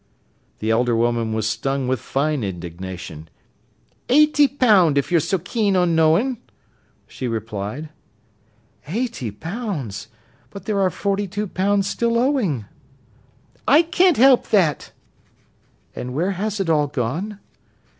The elder woman was stung with fine indignation. "Eighty pound, if you're so keen on knowin'," she replied. "Eighty pounds! But there are forty two pounds still owing!" "I can't help that." "But where has it all gone?"